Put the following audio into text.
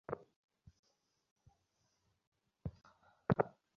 তিনি কোন চাপ অনুভব করতেন না।